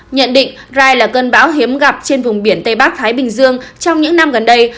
nhận định rai là cơn bão hiếm gặp trên vùng biển tây bắc thái bình dương trong những năm gần đây